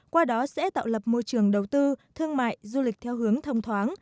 qua đó sẽ tạo lập môi trường đầu tư thương mại du lịch theo hướng thông thoáng